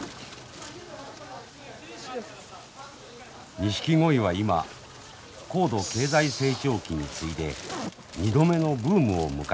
ニシキゴイは今高度経済成長期に次いで２度目のブームを迎えています。